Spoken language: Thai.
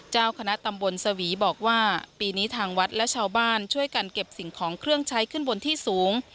เจ้าคณะตำบลสวีบอกว่าปีนี้ทางวัดและชาวบ้านช่วยกันเก็บสิ่งของเครื่องใช้ขึ้นบนที่สูง